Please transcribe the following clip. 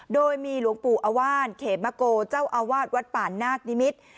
โดยมีหลวงปู่อว่านเขมโกเจ้าอาวาสวัดป่านนาคนิมิตร